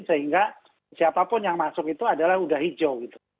sehingga siapapun yang masuk itu adalah sudah hijau